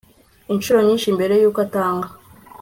inshuro nyinshi mbere yuko atanga